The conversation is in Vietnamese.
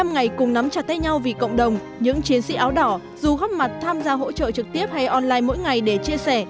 một mươi ngày cùng nắm chặt tay nhau vì cộng đồng những chiến sĩ áo đỏ dù góp mặt tham gia hỗ trợ trực tiếp hay online mỗi ngày để chia sẻ